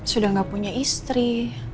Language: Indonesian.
sudah gak punya istri